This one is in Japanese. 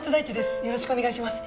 よろしくお願いします。